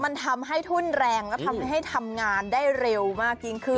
มันทำให้ทุนแรงและทำให้ทำงานได้เร็วมากยิ่งขึ้น